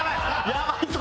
やばいぞ！